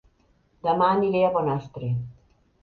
Dema aniré a Bonastre